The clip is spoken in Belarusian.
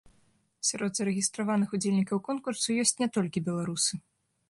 Сярод зарэгістраваных удзельнікаў конкурсу ёсць не толькі беларусы.